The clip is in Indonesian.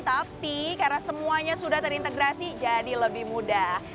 tapi karena semuanya sudah terintegrasi jadi lebih mudah